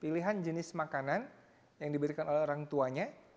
pilihan jenis makanan yang diberikan oleh orang tuanya